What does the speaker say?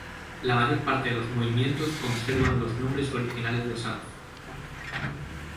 La mayor parte de los movimientos conservan los nombres originales de Sanz.